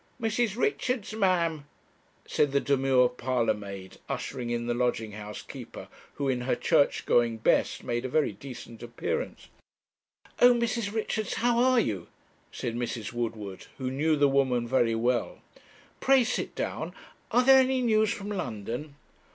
'Mrs. Richards, ma'am,' said the demure parlour maid, ushering in the lodging house keeper, who in her church going best made a very decent appearance. 'Oh, Mrs. Richards, how are you?' said Mrs. Woodward, who knew the woman very well 'pray sit down are there any news from London?'